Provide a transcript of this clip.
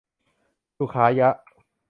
สุขายะ